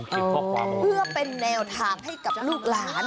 เพื่อเป็นแนวทางให้กับลูกหลาน